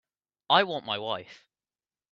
I want my wife.